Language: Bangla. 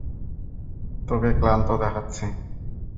তোকে ক্লান্ত দেখাচ্ছে।